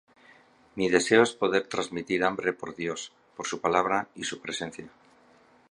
Mi deseo es poder transmitir hambre por Dios, por su palabra y su presencia.